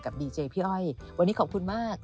ดีเจพี่อ้อยวันนี้ขอบคุณมาก